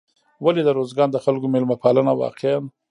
ولې د روزګان د خلکو میلمه پالنه واقعا